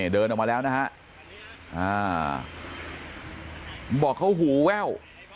เดินออกมาแล้วนะฮะบอกเขาหูแว่ว